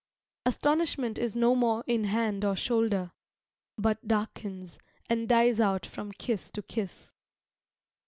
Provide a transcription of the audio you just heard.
Astonishment is no more in hand or shoulder, But darkens, and dies out from kiss to kiss.